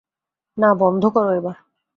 না, বন্ধ করো এবার।